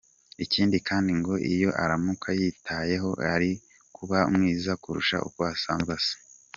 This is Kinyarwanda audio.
Ikindi kandi ngo iyo aramuka yiyitayeho yari kuba mwiza kurusha uko asanzwe asa.